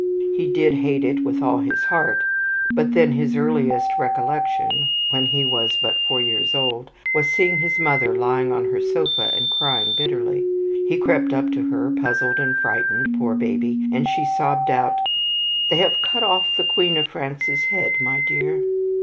He did hate it with all his heart, but then his earliest recollection when he was but four years old was seeing his mother lying on her sofa and crying bitterly. He crept up to her, puzzled and frightened, poor baby, and she sobbed out: "They have cut off the Queen of France's head, my dear."